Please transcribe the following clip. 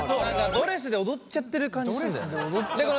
ドレスで踊っちゃってる感じすんだよな。